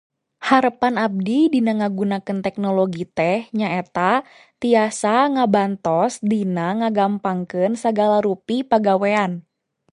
Harepan abdi dina ngagunakeun teknologi teh nyaeta tiasa ngabantos dina ngagampangkeun sagala rupi pagawean.